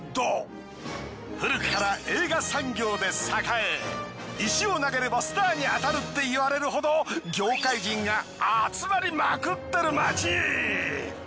古くから映画産業で栄え石を投げればスターに当たるっていわれるほど業界人が集まりまくってる街！